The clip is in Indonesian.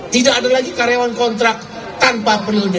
tidak ada lagi karyawan kontrak tanpa periode